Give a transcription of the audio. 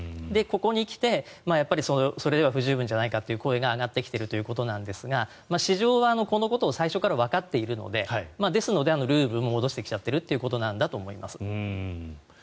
ここに来て、それでは不十分ではないかという声が上がってきているということですが市場はこのことを最初からわかっているのでルーブルも戻してきちゃってるということだと思います。